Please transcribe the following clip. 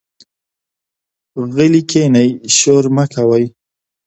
غلي کېنئ، شور مۀ کوئ.